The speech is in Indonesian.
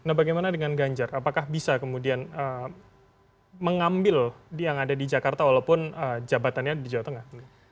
nah bagaimana dengan ganjar apakah bisa kemudian mengambil yang ada di jakarta walaupun jabatannya di jawa tengah